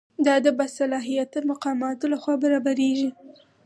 دا د باصلاحیته مقاماتو لخوا برابریږي.